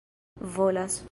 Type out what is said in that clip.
volas